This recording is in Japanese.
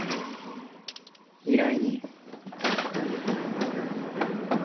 依頼人。